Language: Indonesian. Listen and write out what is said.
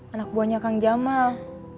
anak buahnya kang jamal